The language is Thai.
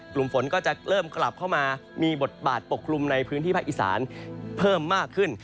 กลุ่มฝนก็จะเริ่มกลับเข้ามามีบทบาทปกคลุมในพื้นที่ภาคอีสานเพิ่มมากขึ้น